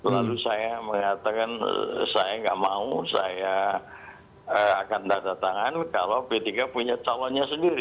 lalu saya mengatakan saya nggak mau saya akan tanda tangan kalau p tiga punya calonnya sendiri